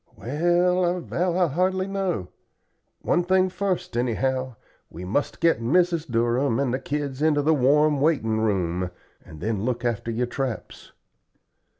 "Well, I vow I hardly know. One thing first, anyhow we must get Mrs. Durham and the kids into the warm waiting room, and then look after your traps."